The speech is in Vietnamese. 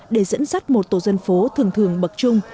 để dẫn dắt một tổ dân phố thường thường bậc trung